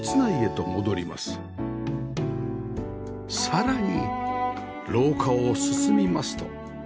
さらに廊下を進みますと